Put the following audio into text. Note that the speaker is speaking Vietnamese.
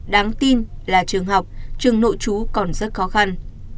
đáng tin là trường học trường nội trú còn rất khó khăn